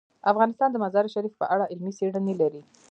افغانستان د مزارشریف په اړه علمي څېړنې لري.